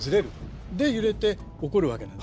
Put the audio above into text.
で揺れて起こるわけなんですよね。